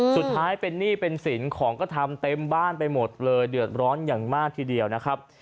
สุดท้ายเป็นหนี้เป็นสินของก็ทำเต็มบ้านไปหมดเลยเดือดร้อนอย่างมากทีเดียวนะครับ